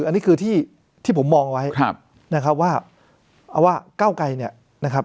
อันนี้คือที่ผมมองไว้นะครับว่าเอาว่าเก้าไกรเนี่ยนะครับ